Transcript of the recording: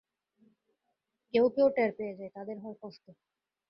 কেউ কেউ টের পেয়ে যায়, তাদের হয় কষ্ট।